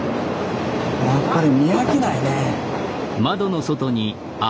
やっぱり見飽きないね。